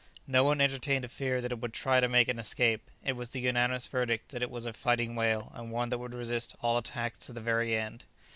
No one entertained a fear that it would try to make an escape; it was the unanimous verdict that it was "a fighting whale," and one that would resist all attacks to the very end.